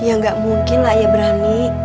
ya gak mungkin lah ayah berani